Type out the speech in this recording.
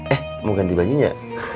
eh mau ganti bajunya